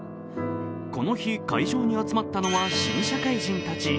この日会場に集まったのは新社会人たち。